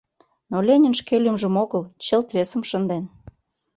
Но Ленин шке лӱмжым огыл, чылт весым шынден.